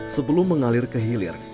sebelum mengalir ke hilir